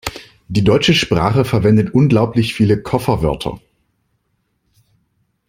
Die deutsche Sprache verwendet unglaublich viele Kofferwörter.